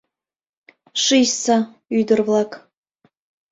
Шичса, ӱдыр-влак!